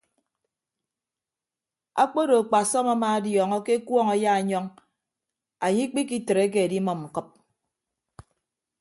Akpodo akpasọm amaadiọọñọ ke ekuọñ ayaanyọñ anye ikpikitreke edimʌm ñkʌp.